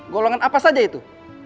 golongan apa saja itu